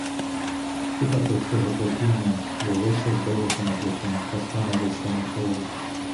Купа товстого плетіння волосся збилася на плече, пасма нависли на чоло.